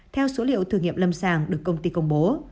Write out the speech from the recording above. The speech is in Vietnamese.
theo số liệu thử nghiệm lâm sàng được công ty công bố